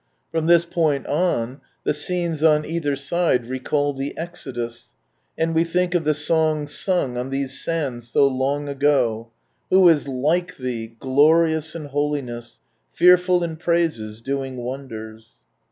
From this point on, the scenes on either side recall the Exodus, and we think of the song sung on these sands so long ago, —" Who is like Thee, glorious in holiness, fearful in praises, doing wonders